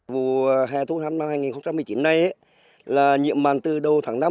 vụ hè thu hẳn năm hai nghìn một mươi chín này là nhiễm mặn từ đầu tháng năm